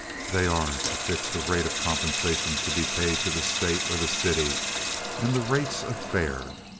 They are to fix the rate of compensation to be paid to the state or the city, and the rates of fare.